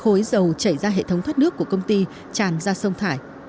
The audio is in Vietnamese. trong đó công ty đã xảy ra hệ thống thoát nước của công ty tràn ra sông thải